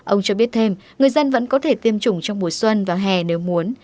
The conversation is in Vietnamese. ông cho biết thêm người dân vẫn có thể tiêm chủng trong mùa xuân và hè nếu muốn